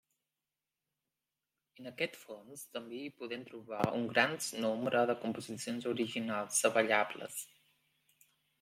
En aquest fons també hi podem trobar un gran nombre de composicions originals de ballables.